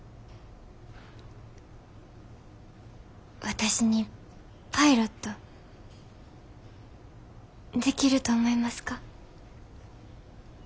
私にパイロットできると思いますか？